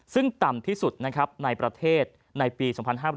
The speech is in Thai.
ซึ่งต่ำที่สุดในประเทศในปี๒๕๔๙